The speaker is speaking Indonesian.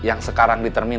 aos yang sekarang diterima kan